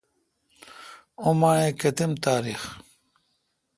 اوں ماہ ئ کتم تاریخ؟